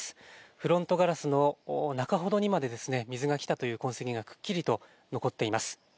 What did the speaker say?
フロントガラスの中ほどにまで水が来たという痕跡が、くっきりと残っています。